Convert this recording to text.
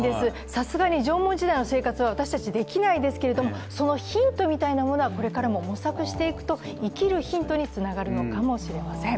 さすがに縄文時代の生活は私たちできないですけれども、そのヒントみたいなものはこれからも模索していくと、生きるヒントにつながるのかもしれません。